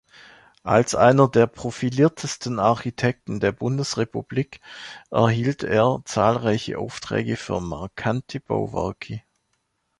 Als einer der profiliertesten Architekten der Bundesrepublik erhielt er zahlreiche Aufträge für markante Bauwerke.